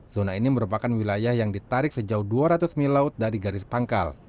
zona ini merupakan wilayah yang ditarik sejauh dua ratus mil laut dari garis pangkal